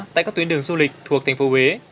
tại các tuyến đường du lịch thuộc thành phố huế